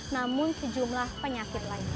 namun sejumlah penyakit lain